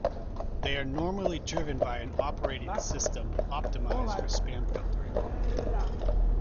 They are normally driven by an operating system optimized for spam filtering.